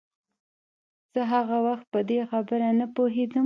زه هغه وخت په دې خبره نه پوهېدم.